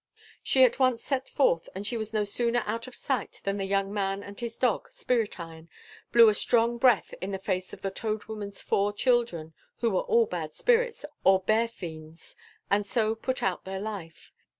She at once set forth; and she was no sooner out of sight than the young man and his dog, Spirit Iron, blew a strong breath in the face of the Toad Woman's four children (who were all bad spirits, or bear fiends), and so put out their life.